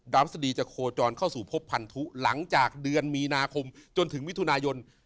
สดีจะโคจรเข้าสู่พบพันธุหลังจากเดือนมีนาคมจนถึงมิถุนายน